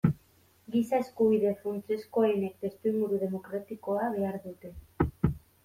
Giza-eskubide funtsezkoenek testuinguru demokratikoa behar dute.